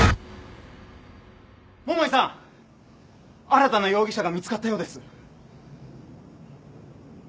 新たな容疑者が見つかったようです。